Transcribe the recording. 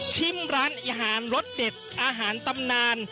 ร้านอาหารรสเด็ดอาหารตำนาน